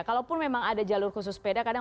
kalaupun memang ada jalur khusus sepeda kadang